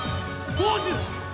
ポーズ！